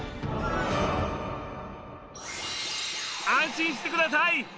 安心してください！